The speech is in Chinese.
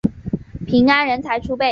安平人才辈出。